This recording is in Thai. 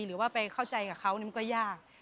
หรือว่าไปเข้าใจกับเขามันก็ยาก